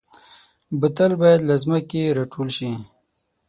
بوتل باید له ځمکې راټول شي.